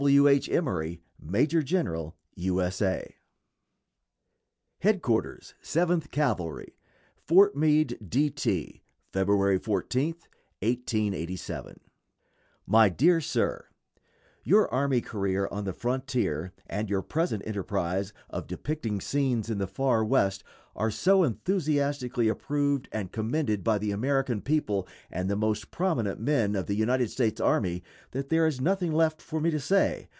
W. H. EMORY, Major General U. S. A. [Illustration: COLONEL JAMES W. FORSYTH.] HEADQUARTERS SEVENTH CAVALRY, FORT MEAD, D. T., February 14, 1887. MY DEAR SIR: Your army career on the frontier, and your present enterprise of depicting scenes in the far West, are so enthusiastically approved and commended by the American people and the most prominent men of the United States Army, that there is nothing left for me to say.